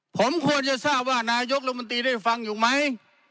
ผมควรจะทราบว่านายกรมนตรีได้ฟังอยู่ไหม